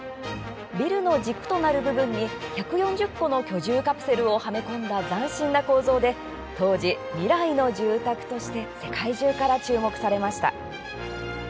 ビルの軸となる部分に１４０個の居住カプセルをはめ込んだ斬新な構造で当時、未来の住宅として世界中から注目されました。